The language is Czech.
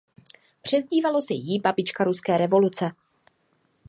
Přezdívalo se jí „"babička ruské revoluce"“.